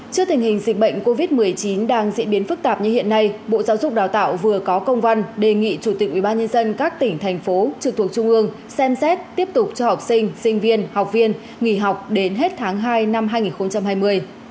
trước tình hình dịch bệnh covid một mươi chín đang diễn biến phức tạp như hiện nay bộ giáo dục đào tạo vừa có công văn đề nghị chủ tịch ubnd các tỉnh thành phố trực thuộc trung ương xem xét tiếp tục cho học sinh sinh viên học viên nghỉ học đến hết tháng hai năm hai nghìn hai mươi